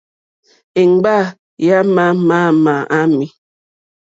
Èŋɡbâ yà má màmâ ámì.